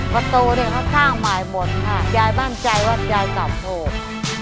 ประตูเนี่ยเขาสร้างหมายหมดค่ะยายบ้านใจว่ายายกลับโทษ